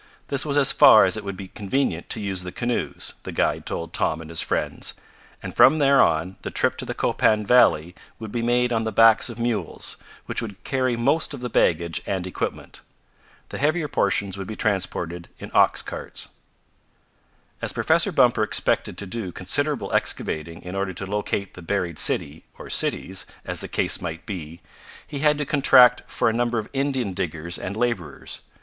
This was as far as it would be convenient to use the canoes, the guide told Tom and his friends, and from there on the trip to the Copan valley would be made on the backs of mules, which would carry most of the baggage and equipment. The heavier portions would be transported in ox carts. As Professor Bumper expected to do considerable excavating in order to locate the buried city, or cities, as the case might be, he had to contract for a number of Indian diggers and laborers.